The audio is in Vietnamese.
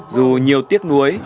dù nhiều tiếc nuối